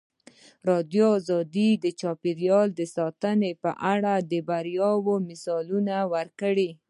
ازادي راډیو د چاپیریال ساتنه په اړه د بریاوو مثالونه ورکړي.